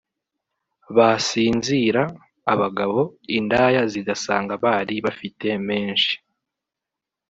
basinzira (abagabo) indaya zigasanga bari bafite menshi